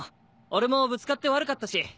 俺もぶつかって悪かったし。